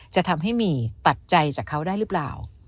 จะทำให้หมี่ตัดใจจากเขาได้หรือเปล่า